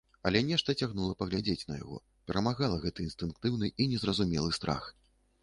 Але нешта цягнула паглядзець на яго, перамагала гэты інстынктыўны і незразумелы страх.